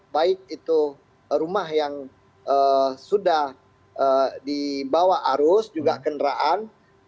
baik itu rumah yang sudah dibawa arus juga kendaraan